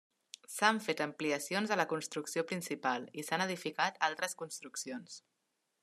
S’han fet ampliacions a la construcció principal i s’han edificat altres construccions.